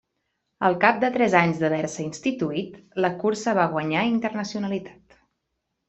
Al cap de tres anys d'haver-se instituït, la cursa va guanyar la internacionalitat.